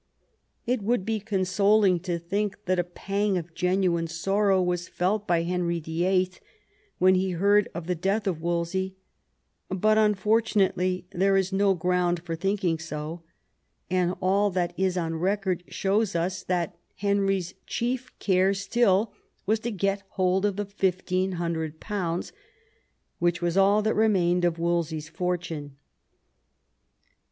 It would be consoling to think that a pang of genuine sorrow was felt by Henry VIII when he heard of the death of Wolsey ; but unfortunately there is no ground for thinking so, and all that is on record shows us that Henry's chief care still was to get hold of the £1500, which was all that remained of Wolsey's fortune.